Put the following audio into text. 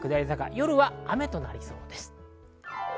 夜は雨となりそうです。